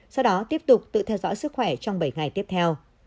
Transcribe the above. sau đó tiếp tục tự theo dõi sức khỏe trong bảy ngày tiếp theo